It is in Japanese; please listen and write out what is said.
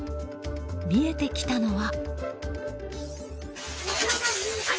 見えてきたのは。